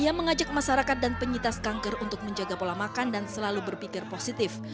ia mengajak masyarakat dan penyitas kanker untuk menjaga pola makan dan selalu berpikir positif